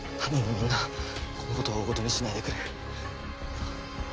みんなこの事は大ごとにしないでくれ。